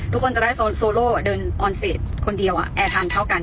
ทุกคนจะได้โซโลเดินคนเดียวอ่ะแอร์ทามเท่ากัน